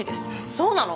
そうなの？